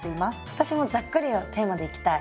私もざっくりがテーマでいきたい。